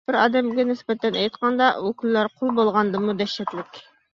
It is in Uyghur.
بىر ئادەمگە نىسبەتەن ئېيتقاندا، ئۇ كۈنلەر قۇل بولغاندىنمۇ دەھشەتلىك.